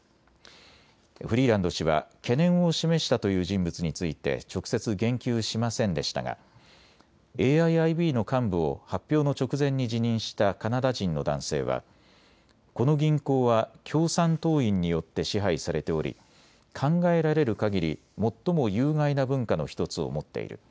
フリーランド氏は懸念を示したという人物について直接、言及しませんでしたがＡＩＩＢの幹部を発表の直前に辞任したカナダ人の男性はこの銀行は共産党員によって支配されており考えられるかぎり最も有害な文化の１つを持っている。